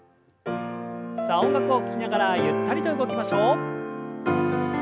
さあ音楽を聞きながらゆったりと動きましょう。